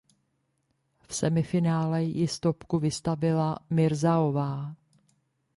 V semifinále ji stopku vystavila Mirzaová.